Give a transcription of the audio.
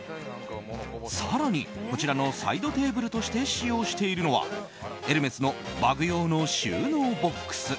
更に、こちらのサイドテーブルとして使用しているのはエルメスの馬具用の収納ボックス。